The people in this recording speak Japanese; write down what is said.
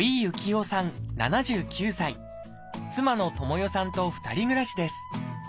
妻の智世さんと２人暮らしです。